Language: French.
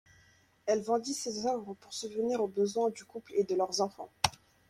Elle vendit ses œuvres pour subvenir aux besoins du couple et de leurs enfants.